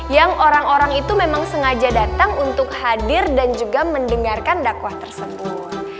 yang orang orang itu memang sengaja datang untuk hadir dan juga mendengarkan dakwah tersebut